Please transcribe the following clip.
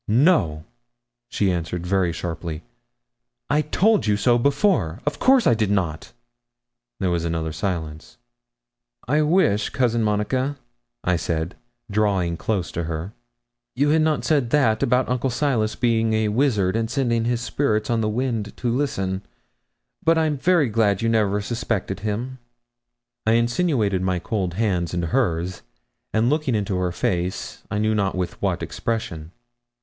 'No,' she answered very sharply. 'I told you so before. Of course I did not.' There was another silence. 'I wish, Cousin Monica,' I said, drawing close to her, 'you had not said that about Uncle Silas being like a wizard, and sending his spirits on the wind to listen. But I'm very glad you never suspected him.' I insinuated my cold hand into hers, and looked into her face I know not with what expression.